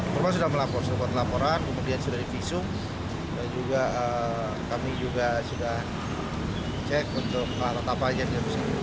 korban sudah melapor sudah melaporan kemudian sudah di visum dan juga kami juga sudah cek untuk apa aja yang ada di sini